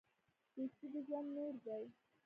دوستي د ژوند نور دی.